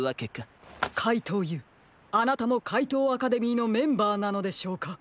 かいとうＵあなたもかいとうアカデミーのメンバーなのでしょうか？